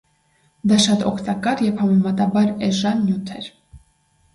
Դա շատ օգտակար և համեմատաբար էժան նյութ էր։